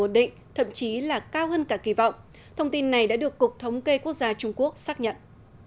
ổn định thậm chí là cao hơn cả kỳ vọng thông tin này đã được cục thống kê quốc gia trung quốc xác nhận